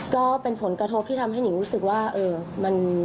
ก็เป็นผลกระทบที่ทำให้หิงรู้สึกว่ามัน